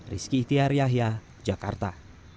rizky itiar yahya jakarta